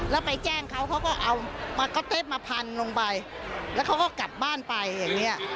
แล้วไปแจ้งเขาเขาก็เอามาก็อตเต็ตมาพันลงไปแล้วเขาก็กลับบ้านไปอย่างเงี้ย